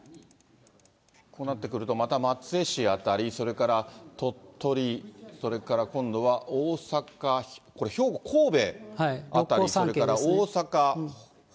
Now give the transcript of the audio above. こうなってくるとまた松江市辺り、それから鳥取、それから今度は大阪、これ、兵庫、神戸。